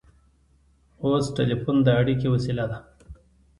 اوس ټیلیفون د اړیکې وسیله ده.